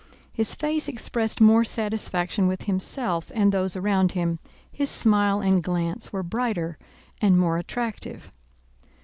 His face expressed more satisfaction with himself and those around him, his smile and glance were brighter and more attractive.